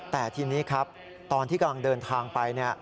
แต่ทีนี้ครับตอนที่กำลังเดินทางไป